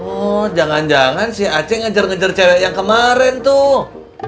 oh jangan jangan si aceh ngejar ngejar cewek yang kemarin tuh